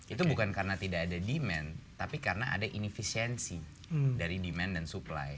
itu bukan karena tidak ada demand tapi karena ada inefisiensi dari demand dan supply